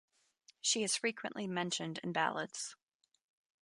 She is frequently mentioned in ballads.